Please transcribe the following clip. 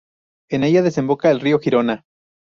En ella desemboca el río Girona.